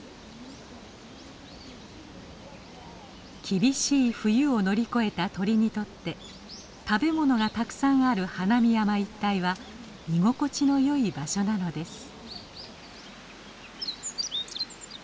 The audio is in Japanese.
厳しい冬を乗り越えた鳥にとって食べ物がたくさんある花見山一帯は居心地のよい場所なのです。